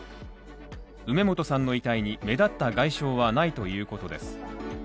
梅本さんの遺体に目立った外傷はないということです。